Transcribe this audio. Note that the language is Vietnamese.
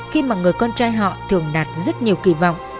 khi mà người con trai họ thường đặt rất nhiều kỳ vọng